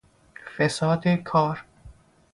فساد کار